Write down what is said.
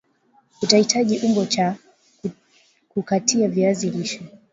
Utahitaji ungo cha kukatia viazi lishe